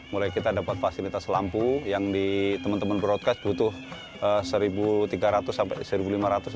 mulai kita dapat fasilitas lampu yang di teman teman broadcast butuh satu tiga ratus sampai rp satu lima ratus